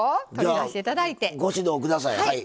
じゃご指導ください